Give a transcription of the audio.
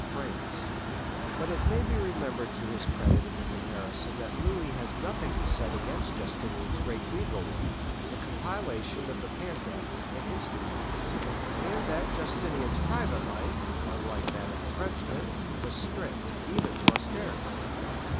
of France; but it may be remembered to his credit in the comparison that Louis has nothing to set against Justinian's great legal work—the compilation of the Pandects and Institutes, and that Justinian's private life, unlike that of the Frenchman, was strict even to austerity.